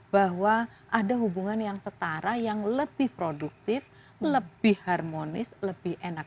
bahwa ada hubungan yang setara yang lebih produktif lebih harmonis lebih enak